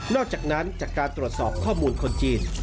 อกจากนั้นจากการตรวจสอบข้อมูลคนจีน